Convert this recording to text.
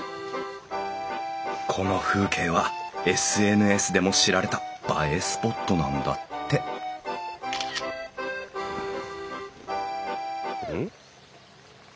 この風景はＳＮＳでも知られた映えスポットなんだってうん？